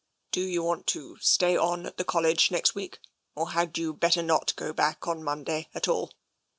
" Do you want to stay on at the College next week, or had you better not go back on Monday at all?